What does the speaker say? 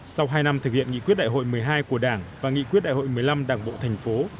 sau hai năm thực hiện nghị quyết đại hội một mươi hai của đảng và nghị quyết đại hội một mươi năm đảng bộ thành phố